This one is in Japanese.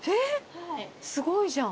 すごいじゃん。